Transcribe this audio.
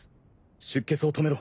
出血を止めろ。